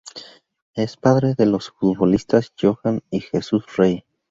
Es padre de los futbolistas Johan y Jesús Rey.